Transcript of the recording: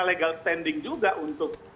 legal standing juga untuk